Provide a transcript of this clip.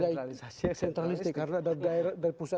yang sentralistik karena dari pusat